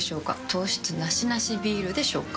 糖質ナシナシビールでしょうか？